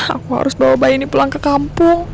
aku harus bawa bayi ini pulang ke kampung